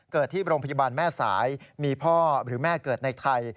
เกิดที่โรงพยาบาลแม่สายมีพ่อหรือแม่เกิดในไทย